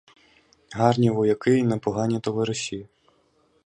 Гарні вояки і непогані товариші.